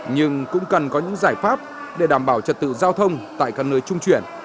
nhưng cũng cần có những giải pháp để đảm bảo trật tự giao thông tại các nơi trung chuyển